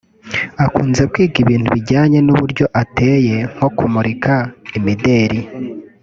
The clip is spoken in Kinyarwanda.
Akunze kwiga ibintu bijyanye n’uburyo ateye nko kumurika imideli